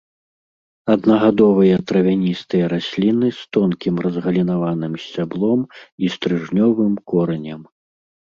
Аднагадовыя травяністыя расліны з тонкім разгалінаваным сцяблом і стрыжнёвым коранем.